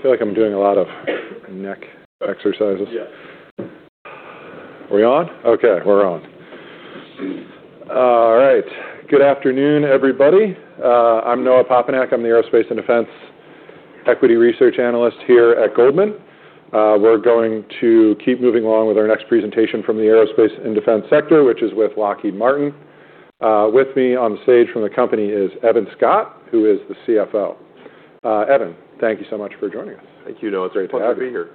Feel like I'm doing a lot of neck exercises. Yeah. Are we on? Okay, We're on. All right. Good afternoon, everybody. I'm Noah Poponak. I'm the Aerospace and Defense Equity Research Analyst here at Goldman. We're going to keep moving along with our next presentation from the Aerospace and Defense sector, which is with Lockheed Martin. With me on the stage from the company is Evan Scott, who is the CFO. Evan, thank you so much for joining us. Thank you, Noah. It's a pleasure to be here.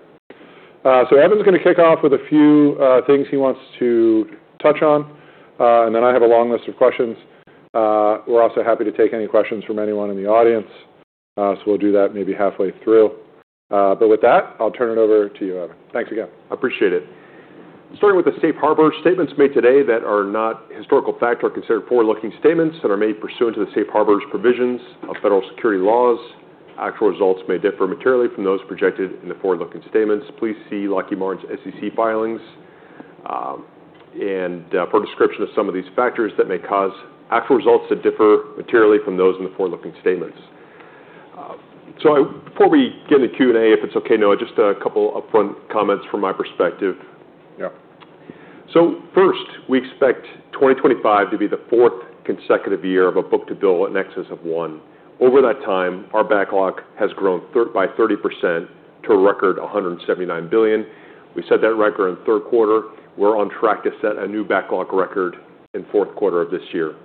So Evan's going to kick off with a few things he wants to touch on, and then I have a long list of questions. We're also happy to take any questions from anyone in the audience, so we'll do that maybe halfway through. But with that, I'll turn it over to you, Evan. Thanks again. Appreciate it. Starting with the Safe Harbor statements made today that are not historical fact or considered forward-looking statements that are made pursuant to the Safe Harbor's provisions of federal security laws, actual results may differ materially from those projected in the forward-looking statements. Please see Lockheed Martin's SEC filings for a description of some of these factors that may cause actual results to differ materially from those in the forward-looking statements. So before we get into Q&A, if it's okay, Noah, just a couple of upfront comments from my perspective. So first, we expect 2025 to be the fourth consecutive year of a book-to-bill at nexus of one. Over that time, our backlog has grown by 30% to a record of $179 billion. We set that record in the third quarter. We're on track to set a new backlog record in the fourth quarter of this year.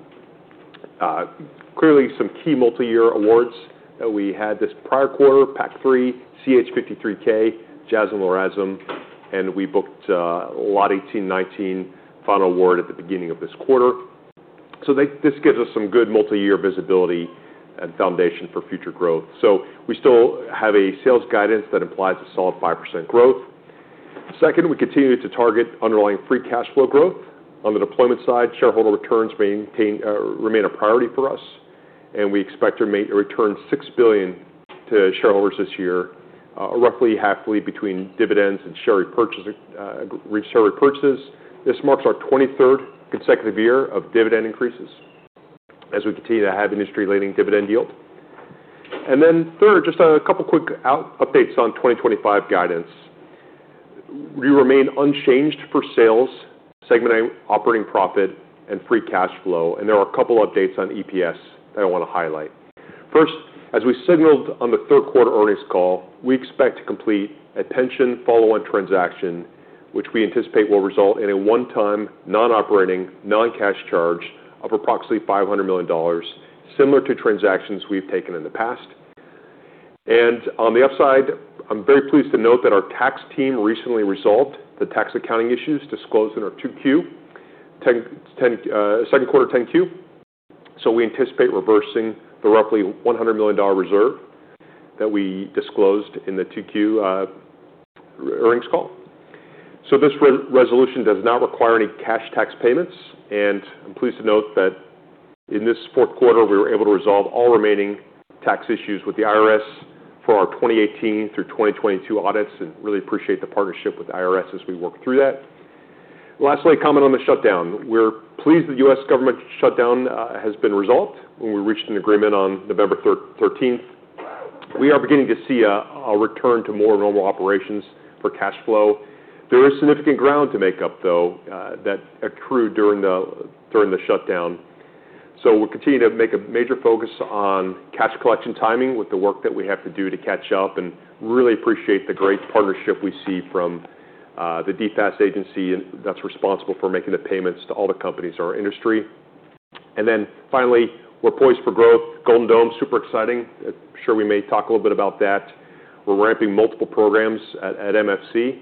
Clearly, some key multi-year awards that we had this prior quarter: PAC-3, CH-53K, JASSM, and LRASM. And we booked Lot 18 19, final award at the beginning of this quarter. So this gives us some good multi-year visibility and foundation for future growth. So we still have a sales guidance that implies a solid 5% growth. Second, we continue to target underlying free cash flow growth. On the deployment side, shareholder returns remain a priority for us, and we expect to return $6 billion to shareholders this year, roughly halfway between dividends and share repurchases. This marks our 23rd consecutive year of dividend increases as we continue to have industry-leading dividend yield. And then third, just a couple of quick updates on 2025 guidance. We remain unchanged for sales, segmenting operating profit, and free cash flow. And there are a couple of updates on EPS that I want to highlight. First, as we signaled on the third quarter earnings call, we expect to complete a pension follow-on transaction, which we anticipate will result in a one-time non-operating, non-cash charge of approximately $500 million, similar to transactions we've taken in the past. And on the upside, I'm very pleased to note that our tax team recently resolved the tax accounting issues disclosed in our second quarter 10-Q. So we anticipate reversing the roughly $100 million reserve that we disclosed in the 2Q earnings call. So this resolution does not require any cash tax payments. And I'm pleased to note that in this fourth quarter, we were able to resolve all remaining tax issues with the IRS for our 2018 through 2022 audits and really appreciate the partnership with the IRS as we work through that. Lastly, comment on the shutdown. We're pleased the U.S. Government shutdown has been resolved when we reached an agreement on November 13th. We are beginning to see a return to more normal operations for cash flow. There is significant ground to make up, though, that accrued during the shutdown. So we'll continue to make a major focus on cash collection timing with the work that we have to do to catch up and really appreciate the great partnership we see from the DFAS agency that's responsible for making the payments to all the companies in our industry. And then finally, we're poised for growth. Golden Dome, super exciting. I'm sure we may talk a little bit about that. We're ramping multiple programs at MFC,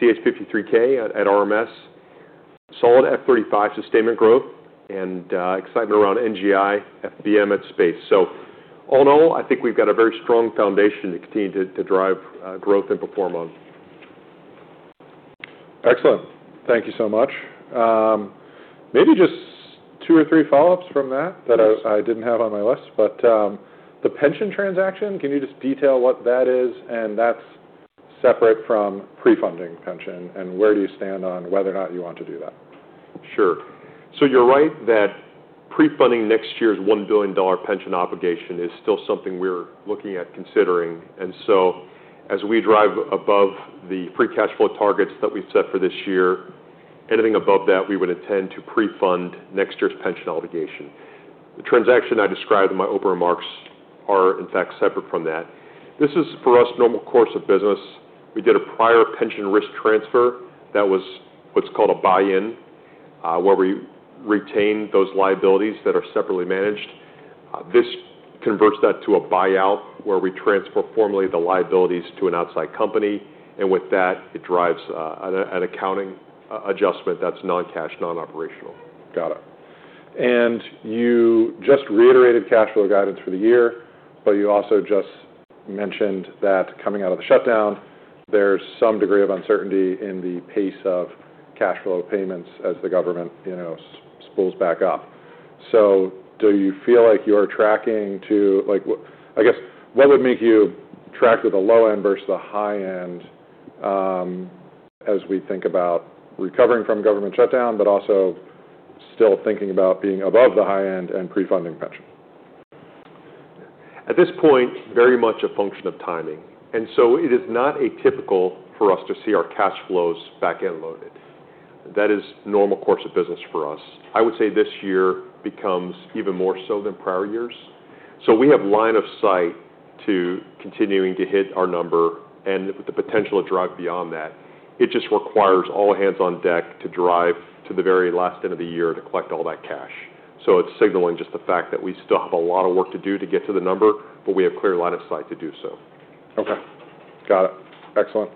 CH-53K at RMS, solid F-35 sustainment growth, and excitement around NGI, FBM at Space. So all in all, I think we've got a very strong foundation to continue to drive growth and perform on. Excellent. Thank you so much. Maybe just two or three follow-ups from that that I didn't have on my list. But the pension transaction, can you just detail what that is? And that's separate from pre-funding pension. And where do you stand on whether or not you want to do that? Sure. So you're right that pre-funding next year's $1 billion pension obligation is still something we're looking at considering. And so as we drive above the free cash flow targets that we've set for this year, anything above that, we would intend to pre-fund next year's pension obligation. The transaction I described in my open remarks are, in fact, separate from that. This is, for us, a normal course of business. We did a prior pension risk transfer that was what's called a buy-in, where we retained those liabilities that are separately managed. This converts that to a buyout, where we transfer formally the liabilities to an outside company. And with that, it drives an accounting adjustment that's non-cash, non-operational. Got it. And you just reiterated cash flow guidance for the year, but you also just mentioned that coming out of the shutdown, there's some degree of uncertainty in the pace of cash flow payments as the government spools back up. So do you feel like you're tracking to, I guess, what would make you track with the low end versus the high end as we think about recovering from government shutdown, but also still thinking about being above the high end and pre-funding pension? At this point, very much a function of timing. And so it is not atypical for us to see our cash flows back-loaded. That is a normal course of business for us. I would say this year becomes even more so than prior years. So we have line of sight to continuing to hit our number and with the potential to drive beyond that. It just requires all hands on deck to drive to the very last end of the year to collect all that cash. So it's signaling just the fact that we still have a lot of work to do to get to the number, but we have clear line of sight to do so. Okay. Got it. Excellent.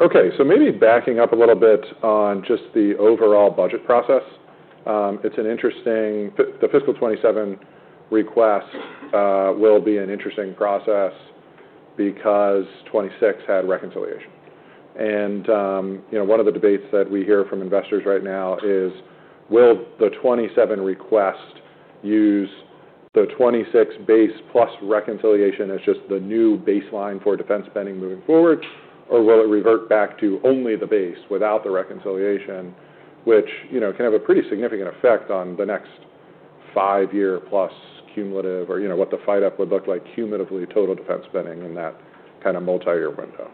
Okay. So maybe backing up a little bit on just the overall budget process. The Fiscal 27 request will be an interesting process because 26 had reconciliation. And one of the debates that we hear from investors right now is, will the 27 request use the 26 base plus reconciliation as just the new baseline for defense spending moving forward, or will it revert back to only the base without the reconciliation, which can have a pretty significant effect on the next five-year plus cumulative or what the FYDP would look like cumulatively total defense spending in that kind of multi-year window?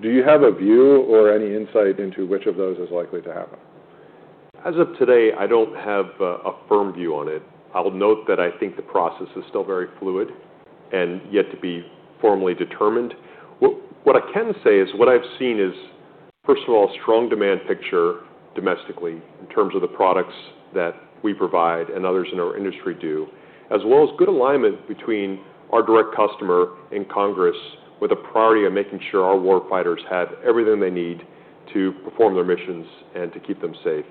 Do you have a view or any insight into which of those is likely to happen? As of today, I don't have a firm view on it. I'll note that I think the process is still very fluid and yet to be formally determined. What I can say is what I've seen is, first of all, a strong demand picture domestically in terms of the products that we provide and others in our industry do, as well as good alignment between our direct customer and Congress with a priority of making sure our war fighters have everything they need to perform their missions and to keep them safe.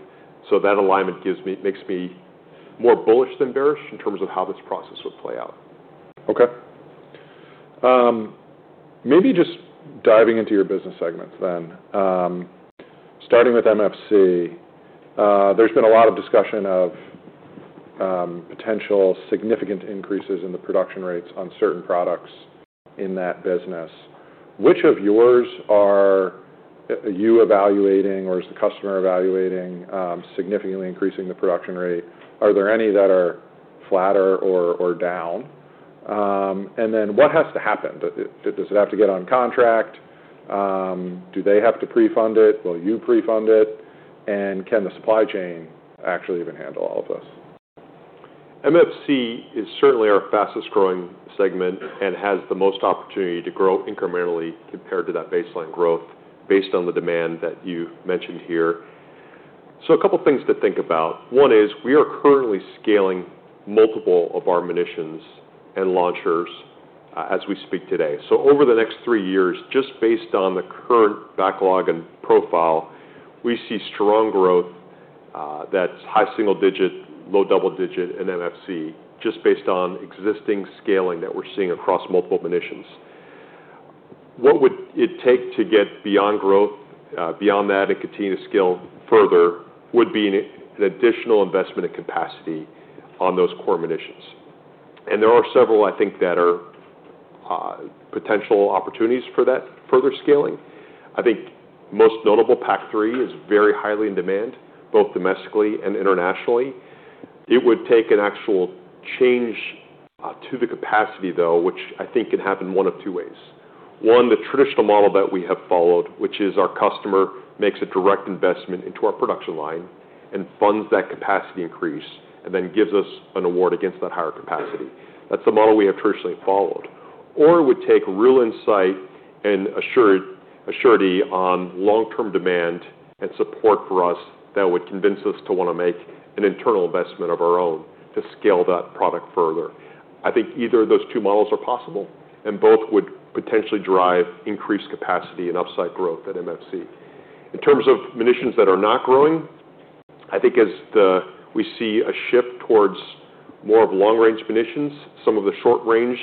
So that alignment makes me more bullish than bearish in terms of how this process would play out. Okay. Maybe just diving into your business segments then. Starting with MFC, there's been a lot of discussion of potential significant increases in the production rates on certain products in that business. Which of yours are you evaluating or is the customer evaluating significantly increasing the production rate? Are there any that are flatter or down? And then what has to happen? Does it have to get on contract? Do they have to pre-fund it? Will you pre-fund it? And can the supply chain actually even handle all of this? MFC is certainly our fastest growing segment and has the most opportunity to grow incrementally compared to that baseline growth based on the demand that you mentioned here. So a couple of things to think about. One is we are currently scaling multiple of our munitions and launchers as we speak today. So over the next three years, just based on the current backlog and profile, we see strong growth that's high single-digit, low double-digit in MFC just based on existing scaling that we're seeing across multiple munitions. What would it take to get beyond growth, beyond that, and continue to scale further would be an additional investment in capacity on those core munitions. And there are several, I think, that are potential opportunities for that further scaling. I think most notable PAC-3 is very highly in demand, both domestically and internationally. It would take an actual change to the capacity, though, which I think can happen one of two ways. One, the traditional model that we have followed, which is our customer makes a direct investment into our production line and funds that capacity increase and then gives us an award against that higher capacity. That's the model we have traditionally followed. Or it would take real insight and assurance on long-term demand and support for us that would convince us to want to make an internal investment of our own to scale that product further. I think either of those two models are possible, and both would potentially drive increased capacity and upside growth at MFC. In terms of munitions that are not growing, I think as we see a shift towards more of long-range munitions, some of the short-range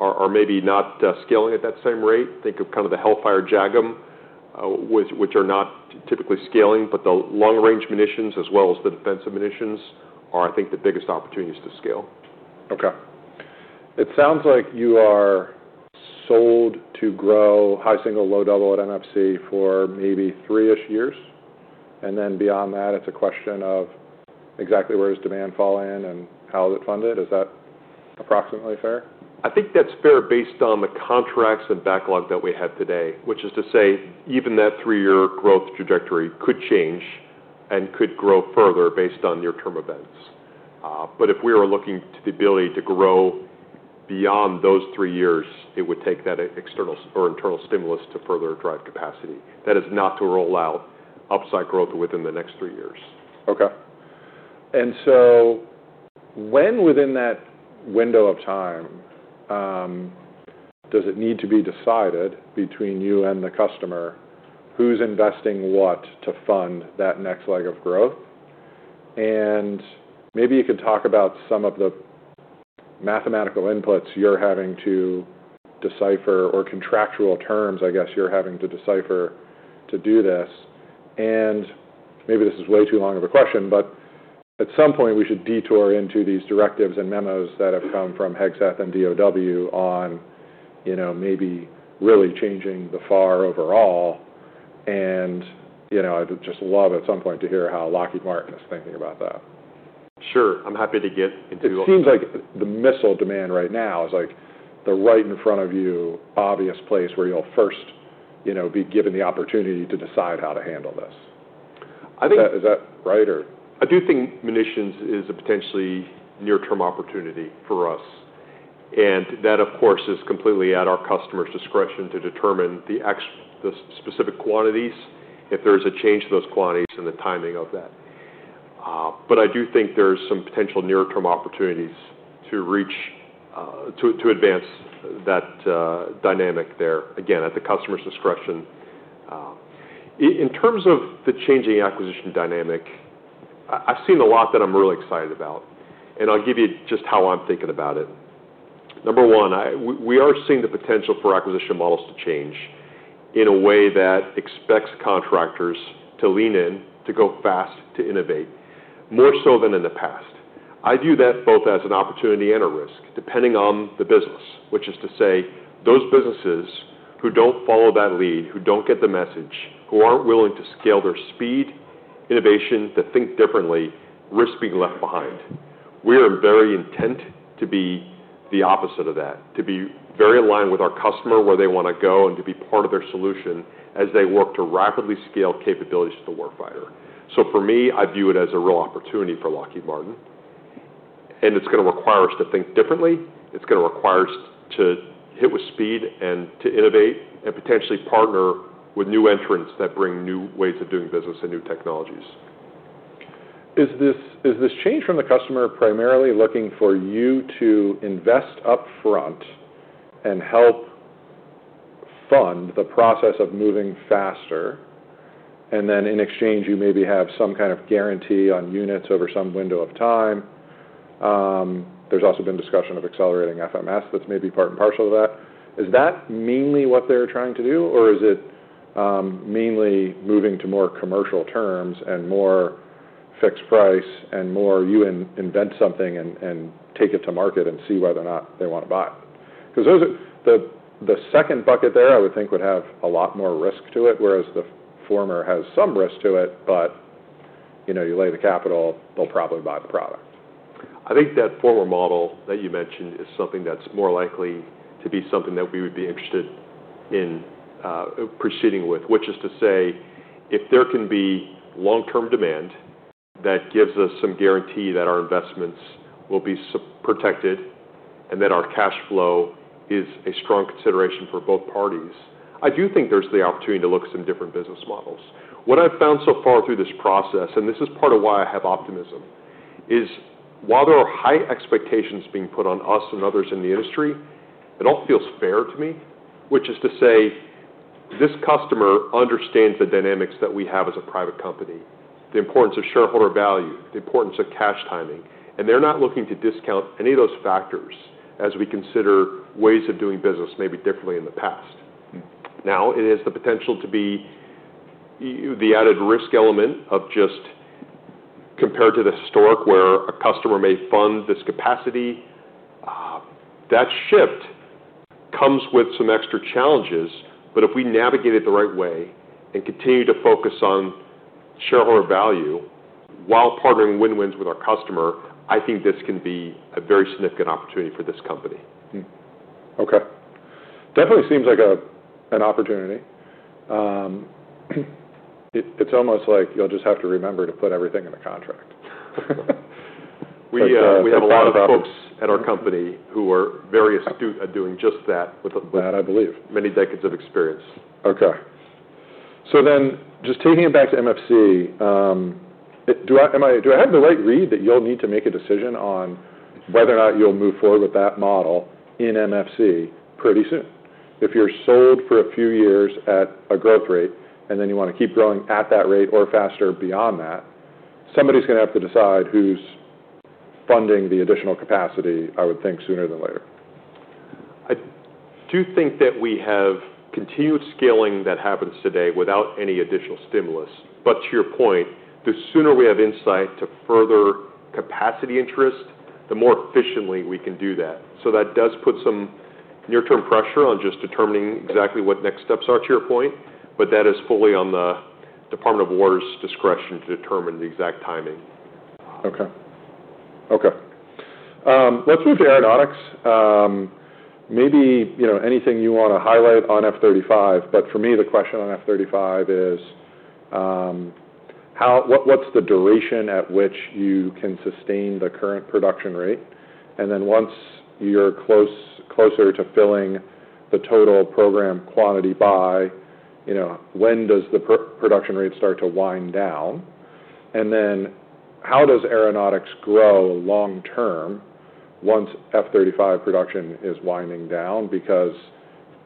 are maybe not scaling at that same rate. Think of kind of the Hellfire JAGM, which are not typically scaling, but the long-range munitions as well as the defensive munitions are, I think, the biggest opportunities to scale. Okay. It sounds like you are sold to grow high single, low double at MFC for maybe three-ish years, and then beyond that, it's a question of exactly where does demand fall in and how is it funded. Is that approximately fair? I think that's fair based on the contracts and backlog that we have today, which is to say even that three-year growth trajectory could change and could grow further based on near-term events. But if we are looking to the ability to grow beyond those three years, it would take that external or internal stimulus to further drive capacity. That is not to rule out upside growth within the next three years. Okay. And so when within that window of time does it need to be decided between you and the customer who's investing what to fund that next leg of growth? And maybe you could talk about some of the mathematical inputs you're having to decipher or contractual terms, I guess, you're having to decipher to do this. And maybe this is way too long of a question, but at some point, we should detour into these directives and memos that have come from Hegseth and DoD on maybe really changing the FAR overall. And I'd just love at some point to hear how Lockheed Martin is thinking about that. Sure. I'm happy to get into. It seems like the missile demand right now is like the right in front of you obvious place where you'll first be given the opportunity to decide how to handle this. Is that right? I do think munitions is a potentially near-term opportunity for us. And that, of course, is completely at our customer's discretion to determine the specific quantities, if there is a change to those quantities and the timing of that. But I do think there's some potential near-term opportunities to advance that dynamic there, again, at the customer's discretion. In terms of the changing acquisition dynamic, I've seen a lot that I'm really excited about. And I'll give you just how I'm thinking about it. Number one, we are seeing the potential for acquisition models to change in a way that expects contractors to lean in, to go fast, to innovate, more so than in the past. I view that both as an opportunity and a risk, depending on the business, which is to say those businesses who don't follow that lead, who don't get the message, who aren't willing to scale their speed, innovation, to think differently, risk being left behind. We are very intent to be the opposite of that, to be very aligned with our customer where they want to go and to be part of their solution as they work to rapidly scale capabilities to the war fighter. So for me, I view it as a real opportunity for Lockheed Martin. And it's going to require us to think differently. It's going to require us to hit with speed and to innovate and potentially partner with new entrants that bring new ways of doing business and new technologies. Is this change from the customer primarily looking for you to invest upfront and help fund the process of moving faster? And then in exchange, you maybe have some kind of guarantee on units over some window of time. There's also been discussion of accelerating FMS that's maybe part and parcel of that. Is that mainly what they're trying to do, or is it mainly moving to more commercial terms and more fixed price and more you invent something and take it to market and see whether or not they want to buy it? Because the second bucket there, I would think, would have a lot more risk to it, whereas the former has some risk to it, but you lay the capital, they'll probably buy the product. I think that former model that you mentioned is something that's more likely to be something that we would be interested in proceeding with, which is to say if there can be long-term demand that gives us some guarantee that our investments will be protected and that our cash flow is a strong consideration for both parties. I do think there's the opportunity to look at some different business models. What I've found so far through this process, and this is part of why I have optimism, is while there are high expectations being put on us and others in the industry, it all feels fair to me, which is to say this customer understands the dynamics that we have as a private company, the importance of shareholder value, the importance of cash timing. And they're not looking to discount any of those factors as we consider ways of doing business maybe differently in the past. Now, it has the potential to be the added risk element of just compared to the historic where a customer may fund this capacity. That shift comes with some extra challenges, but if we navigate it the right way and continue to focus on shareholder value while partnering win-wins with our customer, I think this can be a very significant opportunity for this company. Okay. Definitely seems like an opportunity. It's almost like you'll just have to remember to put everything in the contract. We have a lot of folks at our company who are very astute at doing just that with many decades of experience. Okay. So then just taking it back to MFC, do I have the right read that you'll need to make a decision on whether or not you'll move forward with that model in MFC pretty soon? If you're sold for a few years at a growth rate and then you want to keep growing at that rate or faster beyond that, somebody's going to have to decide who's funding the additional capacity, I would think, sooner than later. I do think that we have continued scaling that happens today without any additional stimulus. But to your point, the sooner we have insight to further capacity interest, the more efficiently we can do that. So that does put some near-term pressure on just determining exactly what next steps are to your point, but that is fully on the Department of War's discretion to determine the exact timing. Okay. Let's move to aeronautics. Maybe anything you want to highlight on F-35, but for me, the question on F-35 is what's the duration at which you can sustain the current production rate? And then once you're closer to filling the total program quantity buy, when does the production rate start to wind down? And then how does aeronautics grow long-term once F-35 production is winding down because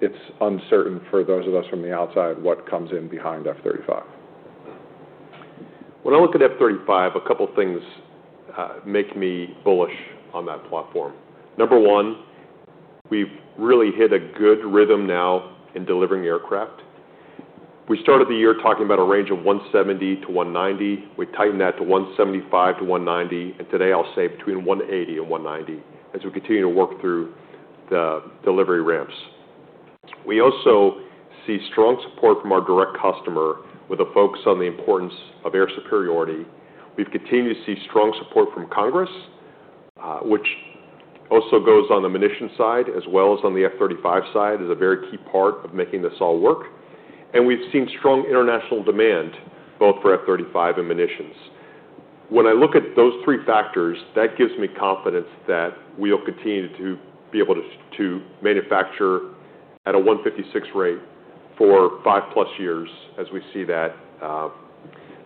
it's uncertain for those of us from the outside what comes in behind F-35? When I look at F-35, a couple of things make me bullish on that platform. Number one, we've really hit a good rhythm now in delivering aircraft. We started the year talking about a range of 170-190. We tightened that to 175-190. And today, I'll say between 180 and 190 as we continue to work through the delivery ramps. We also see strong support from our direct customer with a focus on the importance of air superiority. We've continued to see strong support from Congress, which also goes on the munitions side as well as on the F-35 side as a very key part of making this all work. And we've seen strong international demand both for F-35 and munitions. When I look at those three factors, that gives me confidence that we'll continue to be able to manufacture at a 156 rate for five plus years as we see that.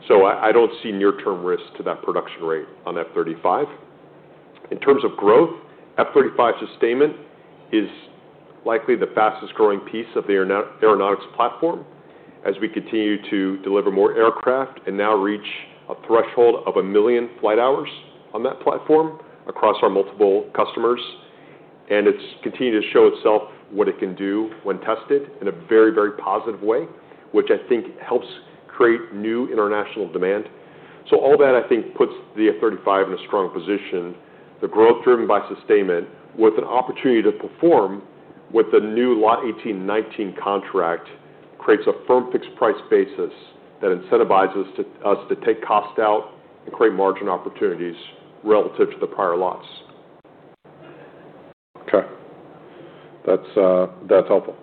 So I don't see near-term risk to that production rate on F-35. In terms of growth, F-35 sustainment is likely the fastest growing piece of the aeronautics platform as we continue to deliver more aircraft and now reach a threshold of a million flight hours on that platform across our multiple customers. And it's continued to show itself what it can do when tested in a very, very positive way, which I think helps create new international demand. So all that, I think, puts the F-35 in a strong position. The growth driven by sustainment with an opportunity to perform with the new Lot 18 19 contract creates a firm fixed price basis that incentivizes us to take cost out and create margin opportunities relative to the prior lots. Okay. That's helpful.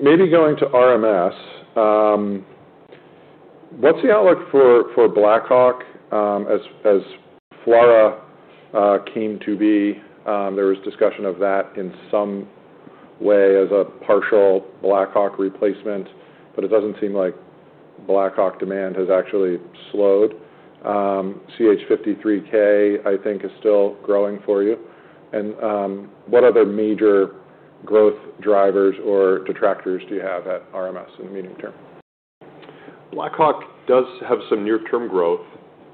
Maybe going to RMS, what's the outlook for Black Hawk as FLRAA came to be? There was discussion of that in some way as a partial Black Hawk replacement, but it doesn't seem like Black Hawk demand has actually slowed. CH-53K, I think, is still growing for you. And what other major growth drivers or detractors do you have at RMS in the medium term? Hawk does have some near-term growth.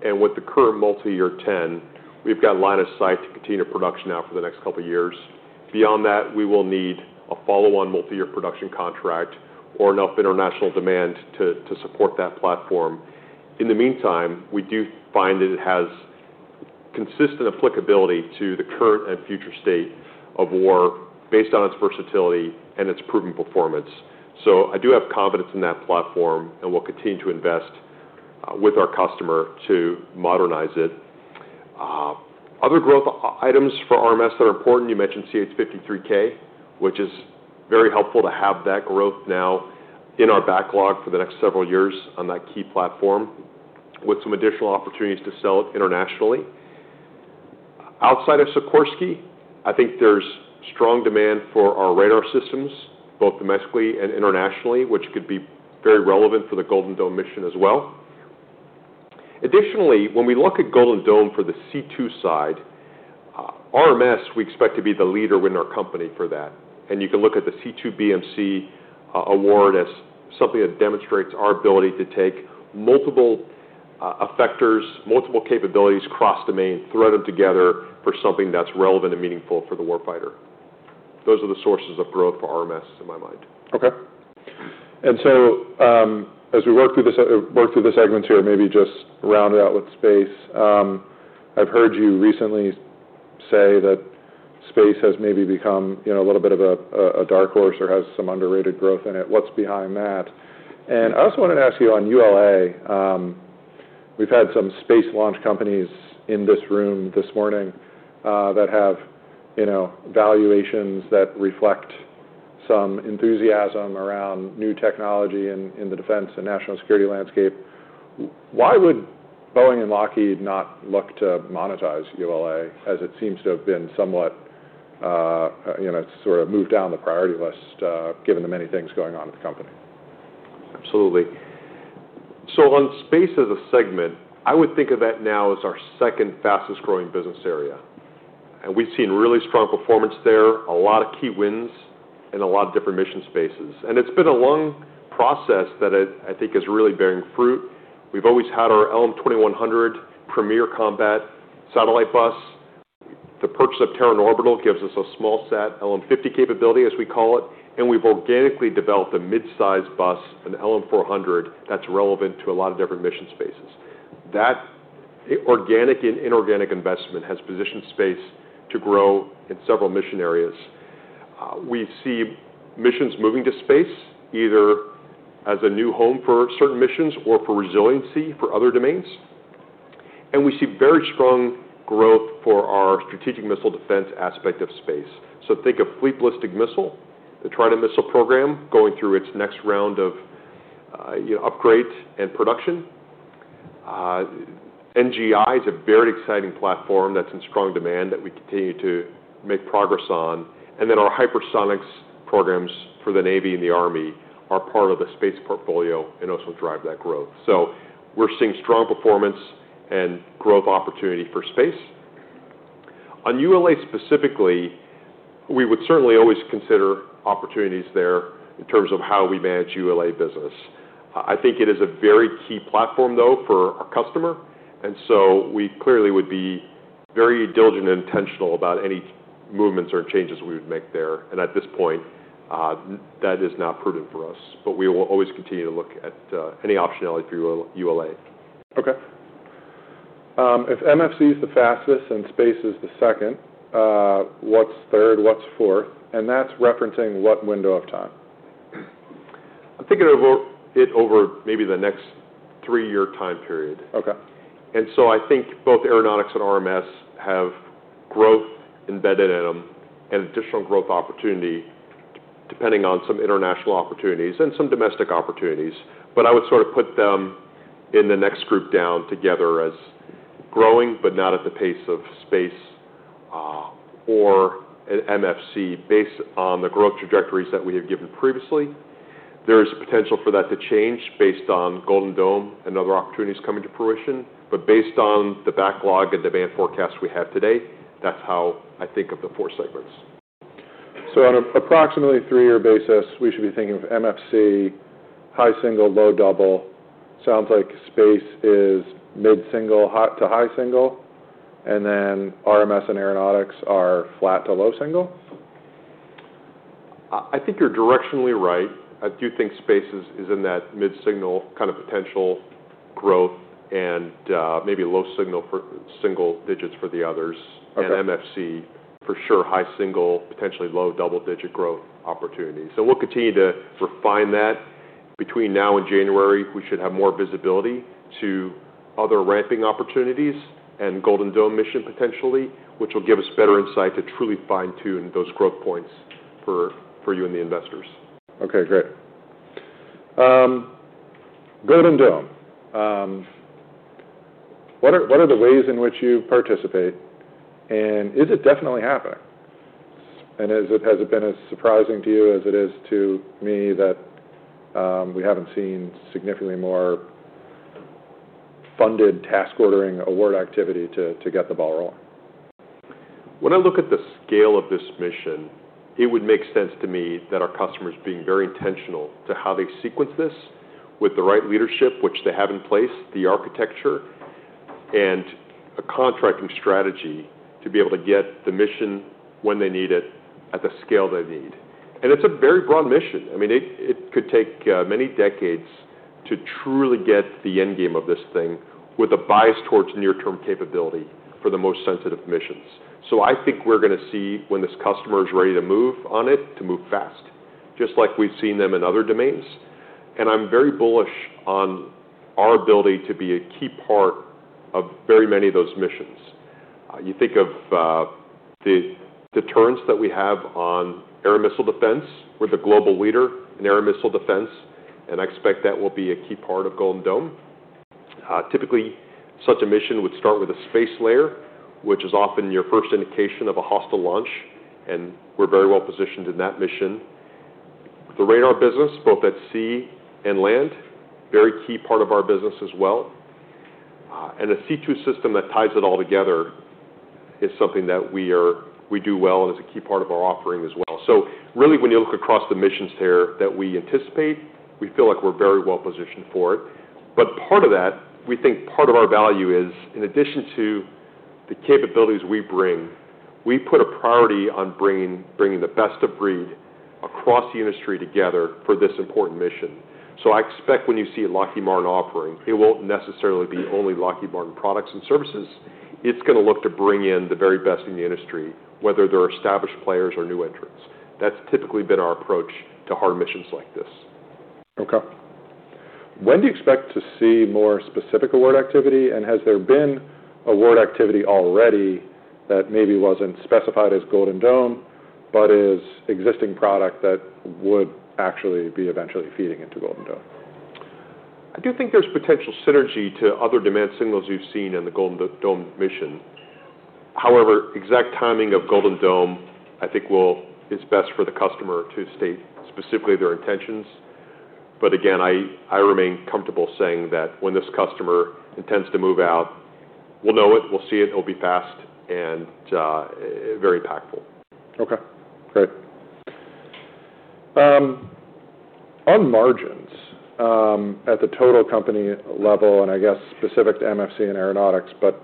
And with the current multi-year 10, we've got line of sight to continue production now for the next couple of years. Beyond that, we will need a follow-on multi-year production contract or enough international demand to support that platform. In the meantime, we do find that it has consistent applicability to the current and future state of war based on its versatility and its proven performance. So I do have confidence in that platform and will continue to invest with our customer to modernize it. Other growth items for RMS that are important, you mentioned CH-53K, which is very helpful to have that growth now in our backlog for the next several years on that key platform with some additional opportunities to sell it internationally. Outside of Sikorsky, I think there's strong demand for our radar systems, both domestically and internationally, which could be very relevant for the Golden Dome mission as well. Additionally, when we look at Golden Dome for the C2 side, RMS, we expect to be the leader within our company for that. And you can look at the C2BMC award as something that demonstrates our ability to take multiple effectors, multiple capabilities cross-domain, thread them together for something that's relevant and meaningful for the war fighter. Those are the sources of growth for RMS in my mind. Okay. And so as we work through the segments here, maybe just round it out with space. I've heard you recently say that space has maybe become a little bit of a dark horse or has some underrated growth in it. What's behind that? And I also wanted to ask you on ULA. We've had some space launch companies in this room this morning that have valuations that reflect some enthusiasm around new technology in the defense and national security landscape. Why would Boeing and Lockheed not look to monetize ULA as it seems to have been somewhat sort of moved down the priority list given the many things going on at the company? Absolutely. So on space as a segment, I would think of that now as our second fastest growing business area. And we've seen really strong performance there, a lot of key wins, and a lot of different mission spaces. And it's been a long process that I think is really bearing fruit. We've always had our LM-2100 premier combat satellite bus. The purchase of Terran Orbital gives us a small-sat LM-50 capability, as we call it. And we've organically developed a mid-sized bus, an LM-400, that's relevant to a lot of different mission spaces. That organic and inorganic investment has positioned space to grow in several mission areas. We see missions moving to space either as a new home for certain missions or for resiliency for other domains. And we see very strong growth for our strategic missile defense aspect of space. So think of Fleet Ballistic Missile, the Trident Missile program going through its next round of upgrade and production. NGI is a very exciting platform that's in strong demand that we continue to make progress on. And then our hypersonics programs for the Navy and the Army are part of the space portfolio and also drive that growth. So we're seeing strong performance and growth opportunity for space. On ULA specifically, we would certainly always consider opportunities there in terms of how we manage ULA business. I think it is a very key platform, though, for our customer. And so we clearly would be very diligent and intentional about any movements or changes we would make there. And at this point, that is not prudent for us, but we will always continue to look at any optionality for ULA. Okay. If MFC is the fastest and space is the second, what's third, what's fourth? And that's referencing what window of time? I'm thinking of it over maybe the next three-year time period, and so I think both aeronautics and RMS have growth embedded in them and additional growth opportunity depending on some international opportunities and some domestic opportunities, but I would sort of put them in the next group down together as growing, but not at the pace of space or MFC based on the growth trajectories that we have given previously. There is potential for that to change based on Golden Dome and other opportunities coming to fruition, but based on the backlog and demand forecast we have today, that's how I think of the four segments. So on an approximately three-year basis, we should be thinking of MFC, high single, low double. Sounds like space is mid-single, low to high single, and then RMS and aeronautics are flat to low single? I think you're directionally right. I do think space is in that mid-single kind of potential growth and maybe low single digits for the others, and MFC, for sure, high single, potentially low double-digit growth opportunity, so we'll continue to refine that. Between now and January, we should have more visibility to other ramping opportunities and Golden Dome mission potentially, which will give us better insight to truly fine-tune those growth points for you and the investors. Okay. Great. Golden Dome. What are the ways in which you participate? And is it definitely happening? And has it been as surprising to you as it is to me that we haven't seen significantly more funded task ordering award activity to get the ball rolling? When I look at the scale of this mission, it would make sense to me that our customers being very intentional to how they sequence this with the right leadership, which they have in place, the architecture, and a contracting strategy to be able to get the mission when they need it at the scale they need. And it's a very broad mission. I mean, it could take many decades to truly get the end game of this thing with a bias towards near-term capability for the most sensitive missions. So I think we're going to see when this customer is ready to move on it to move fast, just like we've seen them in other domains. And I'm very bullish on our ability to be a key part of very many of those missions. You think of the deterrence that we have on air missile defense. We're the global leader in air missile defense, and I expect that will be a key part of Golden Dome. Typically, such a mission would start with a space layer, which is often your first indication of a hostile launch, and we're very well positioned in that mission. The radar business, both at sea and land, is a very key part of our business as well, and a C2 system that ties it all together is something that we do well and is a key part of our offering as well, so really, when you look across the missions here that we anticipate, we feel like we're very well positioned for it, but part of that, we think part of our value is, in addition to the capabilities we bring, we put a priority on bringing the best of breed across the industry together for this important mission. So I expect when you see a Lockheed Martin offering, it won't necessarily be only Lockheed Martin products and services. It's going to look to bring in the very best in the industry, whether they're established players or new entrants. That's typically been our approach to hard missions like this. Okay. When do you expect to see more specific award activity? And has there been award activity already that maybe wasn't specified as Golden Dome, but is existing product that would actually be eventually feeding into Golden Dome? I do think there's potential synergy to other demand signals you've seen in the Golden Dome mission. However, exact timing of Golden Dome, I think, is best for the customer to state specifically their intentions. But again, I remain comfortable saying that when this customer intends to move out, we'll know it, we'll see it, it'll be fast and very impactful. Okay. Great. On margins at the total company level, and I guess specific to MFC and aeronautics, but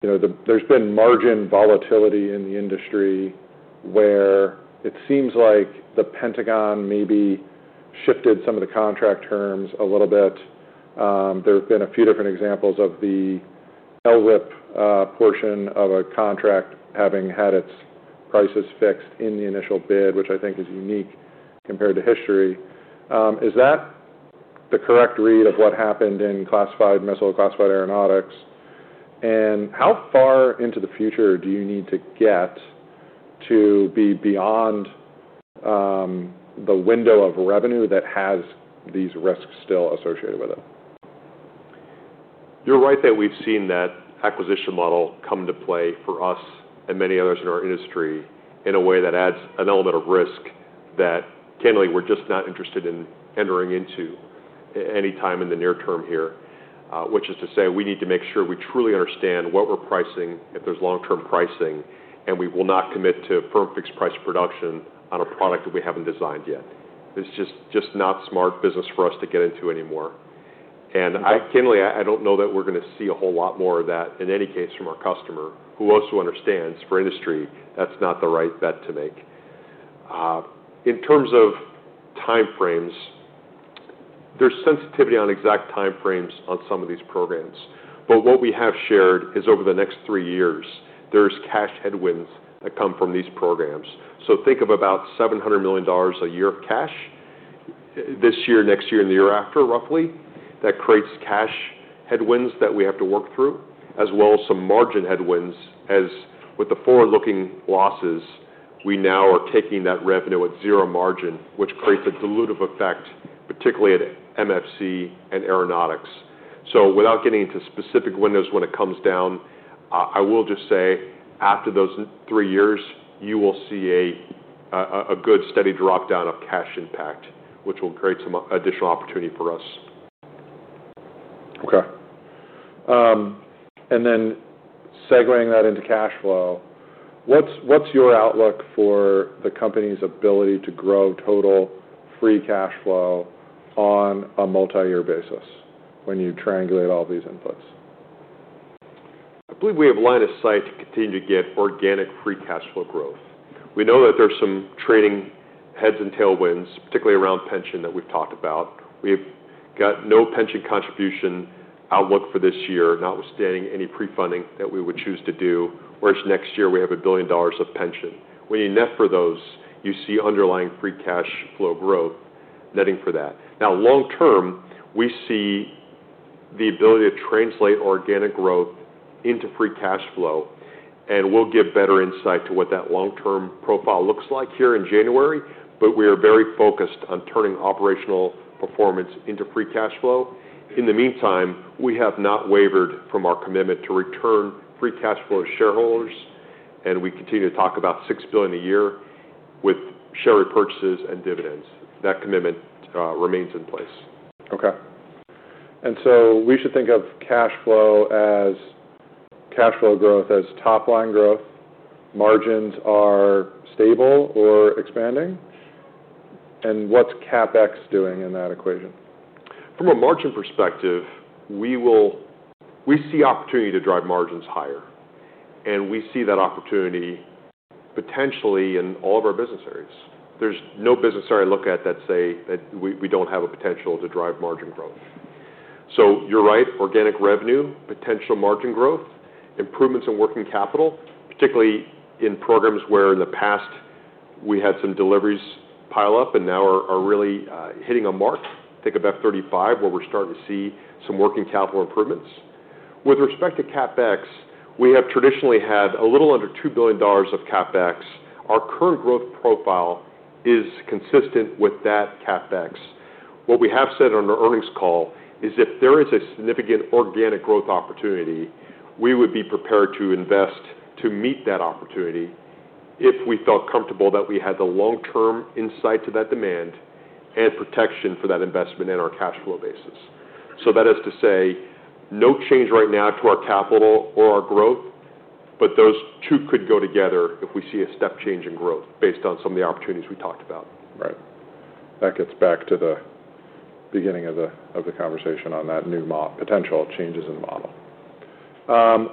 there's been margin volatility in the industry where it seems like the Pentagon maybe shifted some of the contract terms a little bit. There have been a few different examples of the LRIP portion of a contract having had its prices fixed in the initial bid, which I think is unique compared to history. Is that the correct read of what happened in classified missile, classified aeronautics? And how far into the future do you need to get to be beyond the window of revenue that has these risks still associated with it? You're right that we've seen that acquisition model come into play for us and many others in our industry in a way that adds an element of risk that generally we're just not interested in entering into any time in the near term here, which is to say we need to make sure we truly understand what we're pricing, if there's long-term pricing, and we will not commit to firm fixed price production on a product that we haven't designed yet. It's just not smart business for us to get into anymore. And candidly, I don't know that we're going to see a whole lot more of that in any case from our customer, who also understands for industry, that's not the right bet to make. In terms of time frames, there's sensitivity on exact time frames on some of these programs. What we have shared is over the next three years, there's cash headwinds that come from these programs. Think of about $700 million a year of cash this year, next year, and the year after, roughly. That creates cash headwinds that we have to work through, as well as some margin headwinds, as with the forward-looking losses, we now are taking that revenue at zero margin, which creates a dilutive effect, particularly at MFC and aeronautics. Without getting into specific windows when it comes down, I will just say after those three years, you will see a good steady drop down of cash impact, which will create some additional opportunity for us. Okay. And then segueing that into cash flow, what's your outlook for the company's ability to grow total free cash flow on a multi-year basis when you triangulate all these inputs? I believe we have a line of sight to continue to get organic free cash flow growth. We know that there's some headwinds and tailwinds, particularly around pension that we've talked about. We've got no pension contribution outlook for this year, notwithstanding any pre-funding that we would choose to do, whereas next year we have $1 billion of pension. When you net for those, you see underlying free cash flow growth netting for that. Now, long term, we see the ability to translate organic growth into free cash flow, and we'll give better insight to what that long-term profile looks like here in January, but we are very focused on turning operational performance into free cash flow. In the meantime, we have not wavered from our commitment to return free cash flow to shareholders, and we continue to talk about $6 billion a year with share repurchases and dividends. That commitment remains in place. Okay. And so we should think of cash flow as cash flow growth as top-line growth. Margins are stable or expanding. And what's CapEx doing in that equation? From a margin perspective, we see opportunity to drive margins higher, and we see that opportunity potentially in all of our business areas. There's no business area to look at that say that we don't have a potential to drive margin growth, so you're right, organic revenue, potential margin growth, improvements in working capital, particularly in programs where in the past we had some deliveries pile up and now are really hitting a mark. Think of F-35 where we're starting to see some working capital improvements. With respect to CapEx, we have traditionally had a little under $2 billion of CapEx. Our current growth profile is consistent with that CapEx. What we have said on our earnings call is, if there is a significant organic growth opportunity, we would be prepared to invest to meet that opportunity if we felt comfortable that we had the long-term insight to that demand and protection for that investment in our cash flow basis. So that is to say no change right now to our capital or our growth, but those two could go together if we see a step change in growth based on some of the opportunities we talked about. Right. That gets back to the beginning of the conversation on that new, potential changes in the model.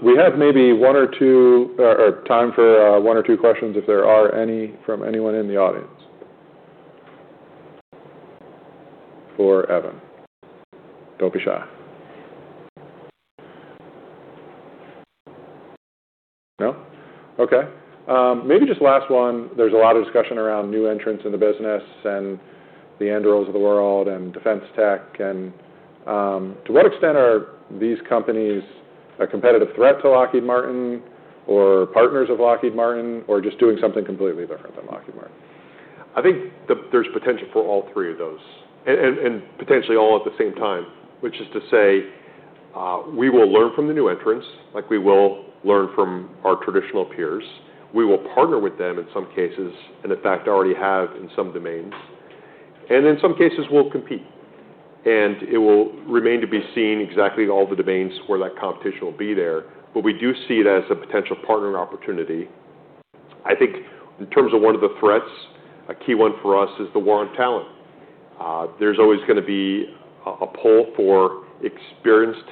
We have maybe one or two times for one or two questions if there are any from anyone in the audience. For Evan. Don't be shy. No? Okay. Maybe just last one. There's a lot of discussion around new entrants in the business and Anduril and the world of defense tech. And to what extent are these companies a competitive threat to Lockheed Martin or partners of Lockheed Martin or just doing something completely different than Lockheed Martin? I think there's potential for all three of those and potentially all at the same time, which is to say we will learn from the new entrants. We will learn from our traditional peers. We will partner with them in some cases and in fact already have in some domains. And in some cases, we'll compete. And it will remain to be seen exactly all the domains where that competition will be there. But we do see it as a potential partner opportunity. I think in terms of one of the threats, a key one for us is the war on talent. There's always going to be a pull for experienced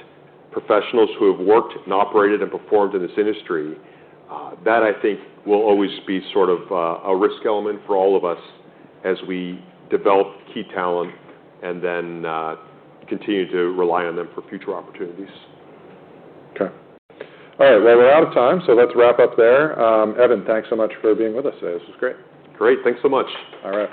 professionals who have worked and operated and performed in this industry. That I think will always be sort of a risk element for all of us as we develop key talent and then continue to rely on them for future opportunities. Okay. All right. Well, we're out of time, so let's wrap up there. Evan, thanks so much for being with us today. This was great. Great. Thanks so much. All right.